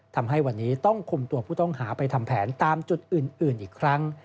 ทำให้วันนี้ต้องคุมตัวผู้ต้องหาไปทำแผนตามจุดอื่นอีกครั้ง